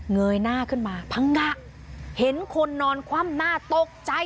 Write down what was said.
เงยหน้าขึ้นมาพังงะเห็นคนนอนคว่ำหน้าตกใจ